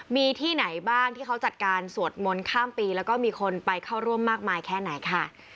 มีที่ไหนบ้างที่เขาจัดการสวดมนต์ข้ามปีแล้วก็มีคนไปเข้าร่วมมากมายแค่ไหนค่ะ